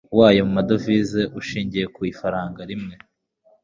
wayo mu madovize ushingiye ku ifaranga rimwe